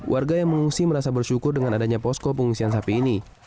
warga yang mengungsi merasa bersyukur dengan adanya posko pengungsian sapi ini